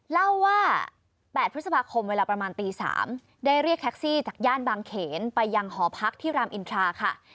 เล่าว่า๘พฤษภาคมเวลาประมาณตี๓ได้เรียกแท็กซี่จากย่านบางเขนไปยังหอพักที่รามอินทราค่ะ